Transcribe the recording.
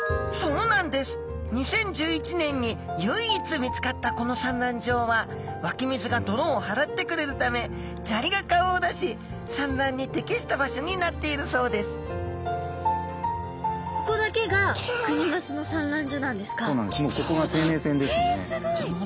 ２０１１年に唯一見つかったこの産卵場はわき水が泥をはらってくれるため砂利が顔を出し産卵に適した場所になっているそうですえすごい！じゃあ本当に大切にしないと。